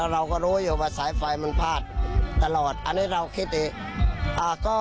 เราก็รู้อยู่ว่าสายไฟมันพาดตลอดอันนี้เราคิดเอง